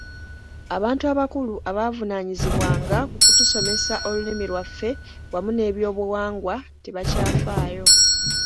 Abantu abakulu abavuunaanyizibwanga ku kutusomesa olulimi lwaffe wamu n'ebyobuwangwa tebakyafaayo.